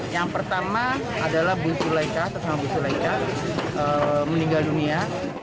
yang pertama adalah bukul laika sesama bukul laika meninggal dunia